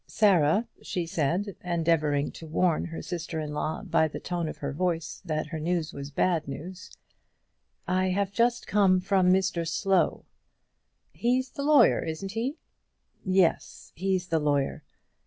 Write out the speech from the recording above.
"Sarah," she said, endeavouring to warn her sister in law by the tone of her voice that her news was bad news, "I have just come from Mr Slow." "He's the lawyer, isn't he?" "Yes, he's the lawyer.